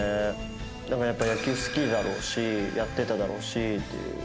やっぱり野球好きだろうしやってただろうしっていう。